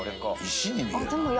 「石に見えるな」